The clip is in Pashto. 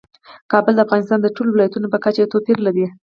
کابل د افغانستان د ټولو ولایاتو په کچه یو توپیر لري.